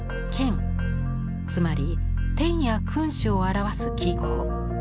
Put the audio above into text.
つまり「天」や「君主」を表す記号。